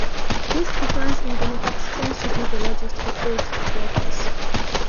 This decline in benefits tends to be largest for older workers.